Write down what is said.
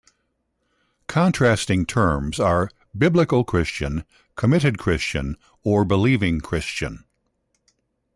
Contrasting terms are "biblical Christian", "committed Christian", or "believing Christian".